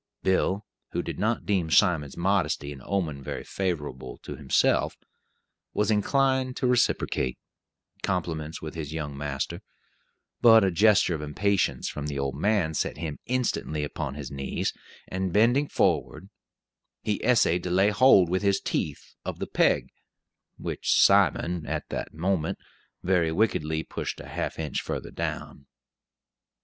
Bill, who did not deem Simon's modesty an omen very favorable to himself, was inclined to reciprocate, compliments with his young master; but a gesture of impatience from the old man set him instantly upon his knees, and, bending forward, he essayed to lay hold with his teeth of the peg, which Simon, just at that moment, very wickedly pushed a half inch further down.